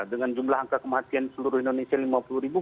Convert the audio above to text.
dengan jumlah angka kematian seluruh indonesia lima puluh ribu